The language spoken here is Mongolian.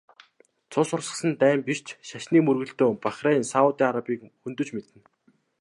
Цус урсгасан дайн биш ч шашны мөргөлдөөн Бахрейн, Саудын Арабыг хөндөж мэднэ.